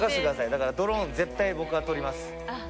だからドローン絶対僕が取ります。